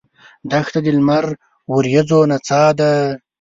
دښته د لمر وریځو نڅا ده.